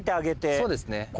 そうですね。